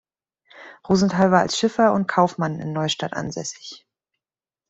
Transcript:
Rosenthal war als Schiffer und Kaufmann in Neustadt ansässig.